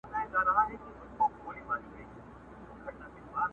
نن په ګودرونو کي د وینو رنګ کرلی دی،